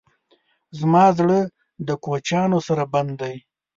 زما زړه د کوچیانو سره بند دی.